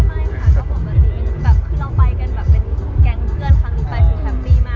แบบคือเราไปกันแบบเป็นแกงเพื่อนครั้งนี้ไปเป็นแฮปปี้มาก